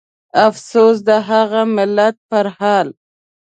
افسوس د هغه ملت پرحال